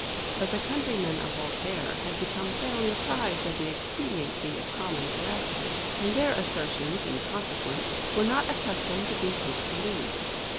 But the countrymen of Voltaire had become fairly apprised of the expediency of common veracity, and their assertions, in consequence, were not accustomed to be disbelieved.